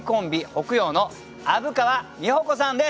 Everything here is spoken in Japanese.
北陽の虻川美穂子さんです。